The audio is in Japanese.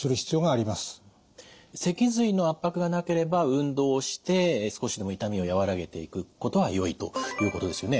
脊髄の圧迫がなければ運動をして少しでも痛みを和らげていくことはよいということですよね。